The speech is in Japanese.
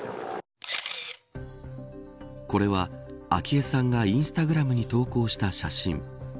これは、昭恵さんがインスタグラムに投稿した写真。